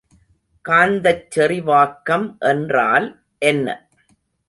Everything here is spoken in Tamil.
காந்தச் செறிவாக்கம் என்றால் என்ன?